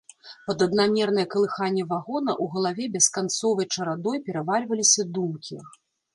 Пад аднамернае калыханне вагона ў галаве бесканцовай чарадой перавальваліся думкі.